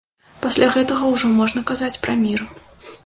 Пасля гэтага ўжо можна казаць пра мір.